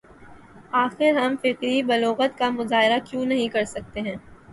آخر ہم فکری بلوغت کا مظاہرہ کیوں نہیں کر سکتے ہیں؟